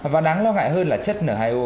và đáng lo ngại hơn là chất n hai o